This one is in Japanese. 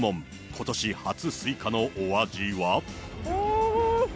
ことし初スイカのお味は？